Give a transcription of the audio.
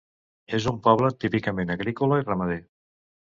És un poble típicament agrícola i ramader.